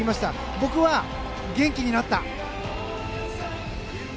僕は元気になった。